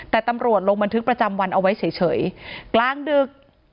แต่ตำรวจลงบันทึกประจำวันเอาไว้เฉยกลางดึก